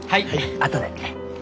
あとで。